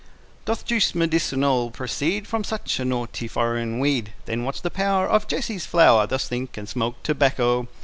Doth juice medicinal proceed From such a naughty foreign weed? Then what's the power Of Jesse's flower? Thus think, and smoke tobacco.